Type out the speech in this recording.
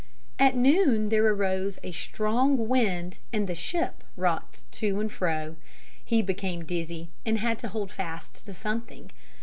At noon there arose a strong wind and the ship rocked to and fro. He became dizzy and had to hold fast to something.